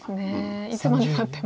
いつまでたっても。